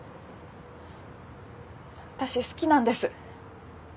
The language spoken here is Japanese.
私好きなんです。